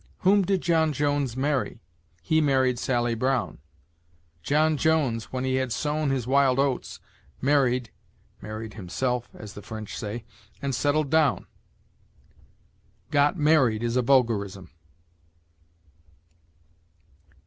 "Whom did John Jones marry?" "He married Sally Brown." "John Jones, when he had sown his wild oats, married [married himself, as the French say] and settled down." Got married is a vulgarism.